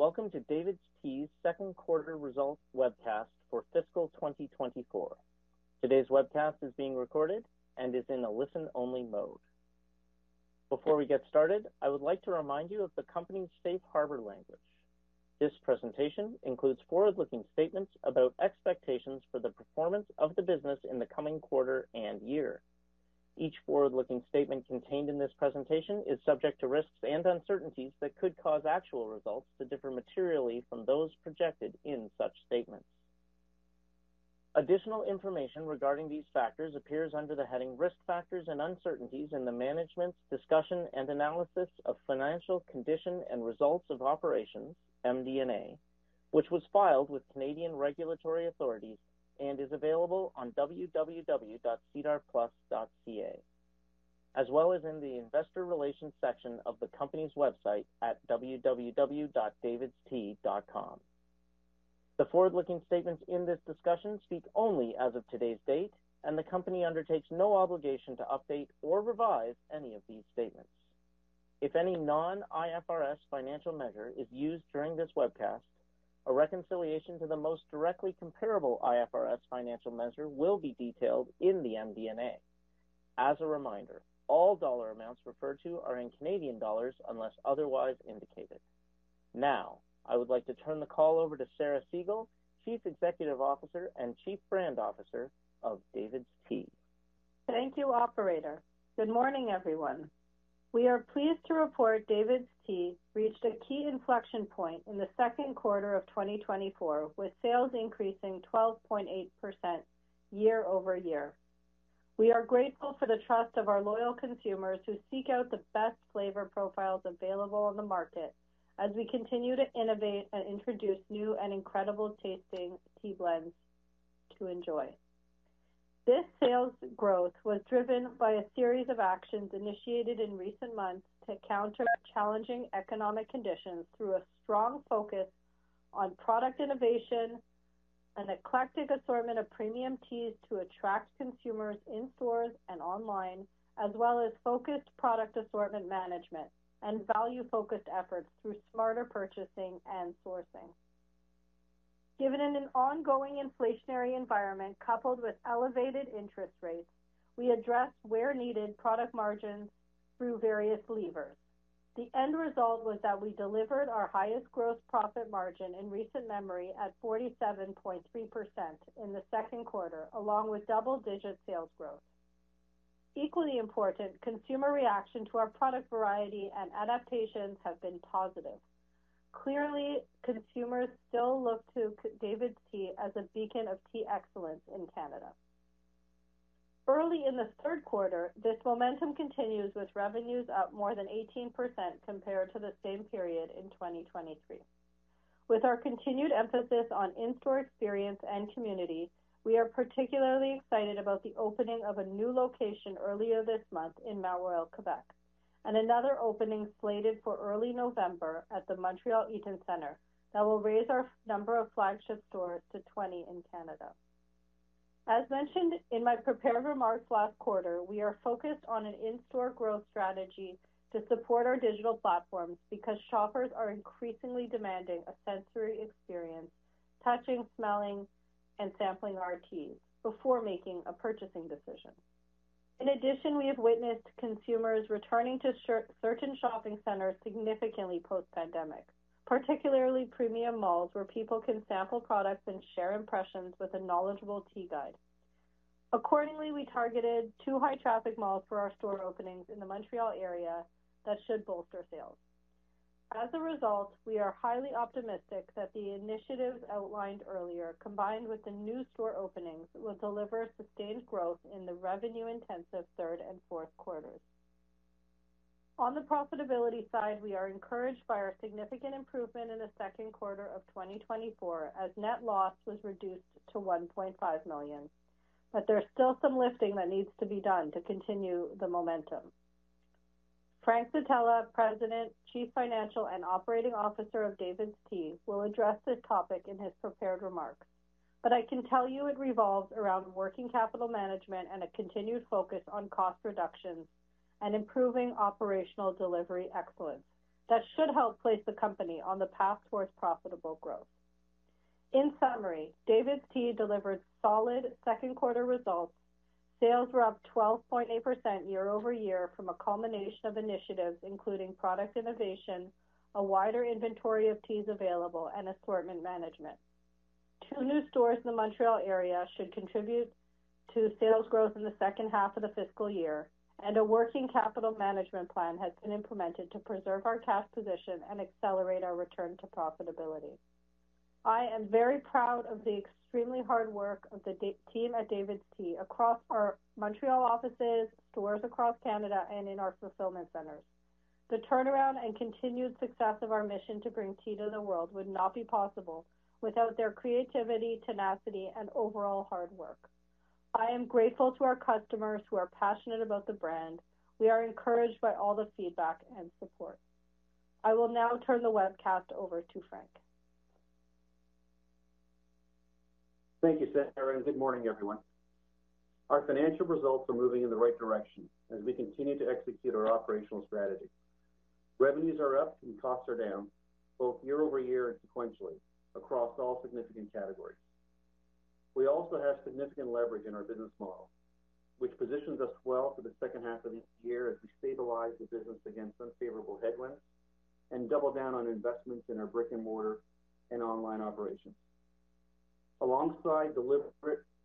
...Welcome to DAVIDsTEA's second quarter results webcast for fiscal 2024. Today's webcast is being recorded and is in a listen-only mode. Before we get started, I would like to remind you of the company's safe harbor language. This presentation includes forward-looking statements about expectations for the performance of the business in the coming quarter and year. Each forward-looking statement contained in this presentation is subject to risks and uncertainties that could cause actual results to differ materially from those projected in such statements. Additional information regarding these factors appears under the heading Risk Factors and Uncertainties in the Management's Discussion and Analysis of Financial Condition and Results of Operations, MD&A, which was filed with Canadian regulatory authorities and is available on www.sedarplus.ca, as well as in the investor relations section of the company's website at www.davidstea.com. The forward-looking statements in this discussion speak only as of today's date, and the company undertakes no obligation to update or revise any of these statements. If any non-IFRS financial measure is used during this webcast, a reconciliation to the most directly comparable IFRS financial measure will be detailed in the MD&A. As a reminder, all dollar amounts referred to are in Canadian dollars unless otherwise indicated. Now, I would like to turn the call over to Sarah Segal, Chief Executive Officer and Chief Brand Officer of DAVIDsTEA. Thank you, operator. Good morning, everyone. We are pleased to report DAVIDsTEA reached a key inflection point in the second quarter of twenty twenty-four, with sales increasing 12.8% year over year. We are grateful for the trust of our loyal consumers who seek out the best flavor profiles available on the market as we continue to innovate and introduce new and incredible tasting tea blends to enjoy. This sales growth was driven by a series of actions initiated in recent months to counter challenging economic conditions through a strong focus on product innovation, an eclectic assortment of premium teas to attract consumers in stores and online, as well as focused product assortment management and value-focused efforts through smarter purchasing and sourcing. Given an ongoing inflationary environment coupled with elevated interest rates, we addressed where needed, product margins through various levers. The end result was that we delivered our highest gross profit margin in recent memory at 47.3% in the second quarter, along with double-digit sales growth. Equally important, consumer reaction to our product variety and adaptations have been positive. Clearly, consumers still look to DAVIDsTEA as a beacon of tea excellence in Canada. Early in the third quarter, this momentum continues, with revenues up more than 18% compared to the same period in 2023. With our continued emphasis on in-store experience and community, we are particularly excited about the opening of a new location earlier this month in Mount Royal, Quebec, and another opening slated for early November at the Montreal Eaton Centre that will raise our number of flagship stores to 20 in Canada. As mentioned in my prepared remarks last quarter, we are focused on an in-store growth strategy to support our digital platforms because shoppers are increasingly demanding a sensory experience, touching, smelling, and sampling our teas before making a purchasing decision. In addition, we have witnessed consumers returning to certain shopping centers significantly post-pandemic, particularly premium malls, where people can sample products and share impressions with a knowledgeable Tea Guide. Accordingly, we targeted two high-traffic malls for our store openings in the Montreal area that should bolster sales. As a result, we are highly optimistic that the initiatives outlined earlier, combined with the new store openings, will deliver sustained growth in the revenue-intensive third and fourth quarters. On the profitability side, we are encouraged by our significant improvement in the second quarter of 2024 as net loss was reduced to 1.5 million. But there's still some lifting that needs to be done to continue the momentum. Frank Zitella, President, Chief Financial Officer, and Chief Operating Officer of DAVIDsTEA, will address this topic in his prepared remarks, but I can tell you it revolves around working capital management and a continued focus on cost reductions and improving operational delivery excellence that should help place the company on the path towards profitable growth. In summary, DAVIDsTEA delivered solid second quarter results. Sales were up 12.8% year over year from a culmination of initiatives, including product innovation, a wider inventory of teas available, and assortment management. Two new stores in the Montreal area should contribute to sales growth in the second half of the fiscal year, and a working capital management plan has been implemented to preserve our cash position and accelerate our return to profitability. I am very proud of the extremely hard work of the DAVIDsTEA team at DAVIDsTEA across our Montreal offices, stores across Canada, and in our fulfillment centers. The turnaround and continued success of our mission to bring tea to the world would not be possible without their creativity, tenacity, and overall hard work. I am grateful to our customers who are passionate about the brand. We are encouraged by all the feedback and support. I will now turn the webcast over to Frank. Thank you, Sarah, and good morning, everyone. Our financial results are moving in the right direction as we continue to execute our operational strategy. Revenues are up and costs are down, both year-over-year and sequentially across all significant categories. We also have significant leverage in our business model, which positions us well for the second half of this year as we stabilize the business against unfavorable headwinds and double down on investments in our brick-and-mortar and online operations. Alongside deliberate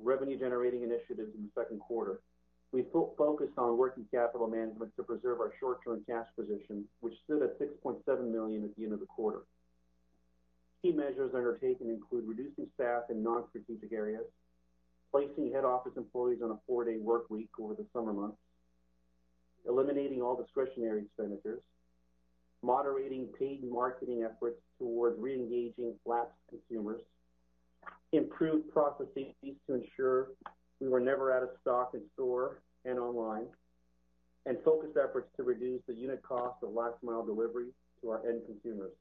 revenue-generating initiatives in the second quarter, we focused on working capital management to preserve our short-term cash position, which stood at 6.7 million at the end of the quarter. Key measures undertaken include reducing staff in non-strategic areas, placing head office employees on a four-day work week over the summer months, eliminating all discretionary expenditures, moderating paid marketing efforts towards reengaging lapsed consumers, improved processes to ensure we were never out of stock in store and online, and focused efforts to reduce the unit cost of last mile delivery to our end consumers.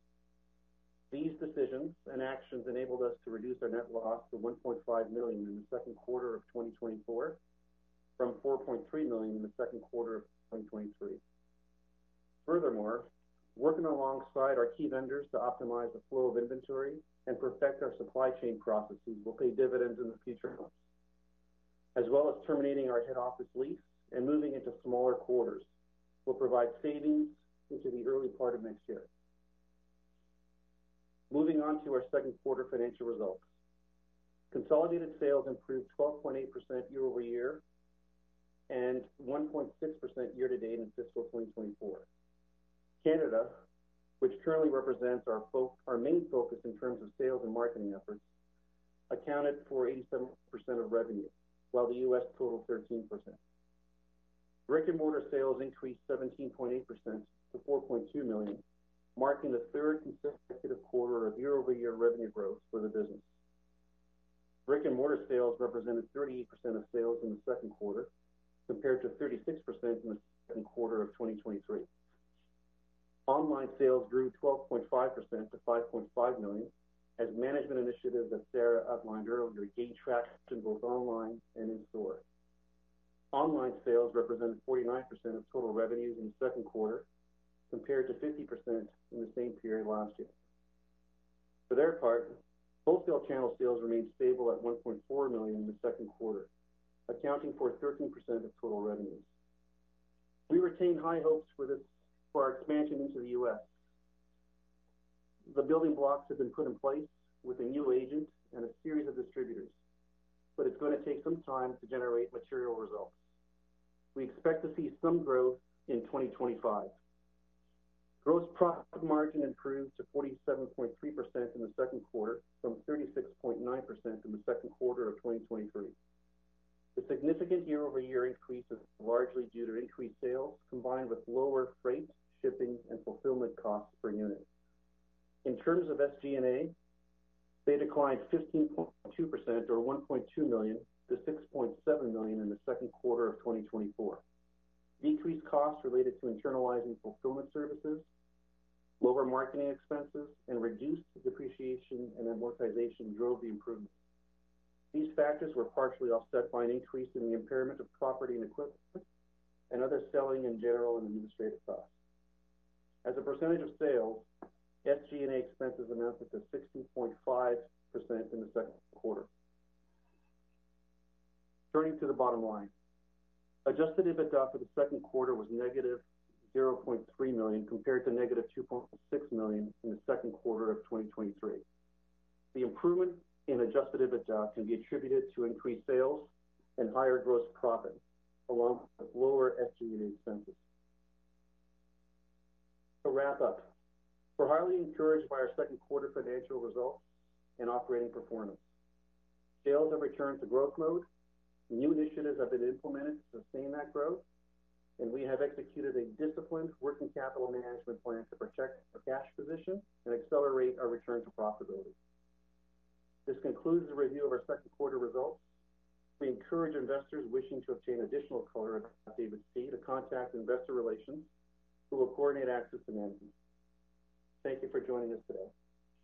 These decisions and actions enabled us to reduce our net loss to 1.5 million in the second quarter of 2024, from 4.3 million in the second quarter of 2023. Furthermore, working alongside our key vendors to optimize the flow of inventory and perfect our supply chain processes will pay dividends in the future months. As well as terminating our head office lease and moving into smaller quarters will provide savings into the early part of next year. Moving on to our second quarter financial results. Consolidated sales improved 12.8% year-over-year, and 1.6% year-to-date in fiscal 2024. Canada, which currently represents our main focus in terms of sales and marketing efforts, accounted for 87% of revenue, while the U.S. totaled 13%. Brick-and-mortar sales increased 17.8% to 4.2 million, marking the third consecutive quarter of year-over-year revenue growth for the business. Brick-and-mortar sales represented 38% of sales in the second quarter, compared to 36% in the second quarter of 2023. Online sales grew 12.5% to 5.5 million, as management initiatives that Sarah outlined earlier gained traction both online and in store. Online sales represented 49% of total revenues in the second quarter, compared to 50% in the same period last year. For their part, wholesale channel sales remained stable at 1.4 million in the second quarter, accounting for 13% of total revenues. We retain high hopes for this, for our expansion into the U.S. The building blocks have been put in place with a new agent and a series of distributors, but it's going to take some time to generate material results. We expect to see some growth in 2025. Gross profit margin improved to 47.3% in the second quarter, from 36.9% in the second quarter of 2023. The significant year-over-year increase is largely due to increased sales, combined with lower freight, shipping, and fulfillment costs per unit. In terms of SG&A, they declined 15.2% or 1.2 million to 6.7 million in the second quarter of 2024. Decreased costs related to internalizing fulfillment services, lower marketing expenses, and reduced depreciation and amortization drove the improvement. These factors were partially offset by an increase in the impairment of property and equipment and other selling and general and administrative costs. As a percentage of sales, SG&A expenses amounted to 16.5% in the second quarter. Turning to the bottom line. Adjusted EBITDA for the second quarter was negative 0.3 million, compared to negative 2.6 million in the second quarter of 2023. The improvement in adjusted EBITDA can be attributed to increased sales and higher gross profit, along with lower SG&A expenses. To wrap up, we're highly encouraged by our second quarter financial results and operating performance. Sales have returned to growth mode. New initiatives have been implemented to sustain that growth, and we have executed a disciplined working capital management plan to protect our cash position and accelerate our return to profitability. This concludes the review of our second quarter results. We encourage investors wishing to obtain additional color on DAVIDsTEA to contact investor relations, who will coordinate access to management. Thank you for joining us today.